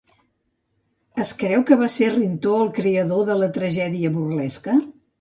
Es creu que va ser Rintó el creador de la tragèdia burlesca?